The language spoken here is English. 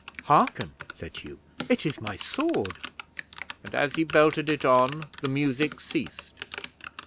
'"Hearken!" said Hugh. "It is my sword," and as he belted it on the music ceased.